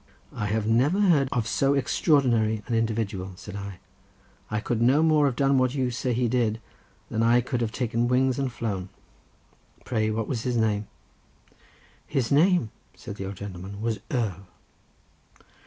"I have never heard of so extraordinary an individual," said I. "I could no more have done what you say he did, than I could have taken wings and flown. Pray what was his name?" "His name," said the old gentleman, "was Earl."